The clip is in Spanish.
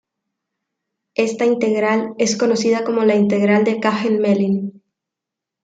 Esta integral es conocida como la integral de Cahen-Mellin.